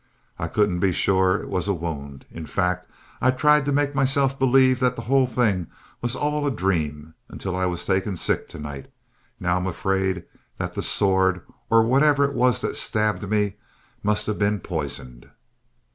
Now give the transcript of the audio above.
I couldn't be sure it was a wound. In fact, I tried to make myself believe that the whole thing was all a dream, until I was taken sick to night. Now I'm afraid that the sword, or whatever it was that stabbed me, must have been poisoned.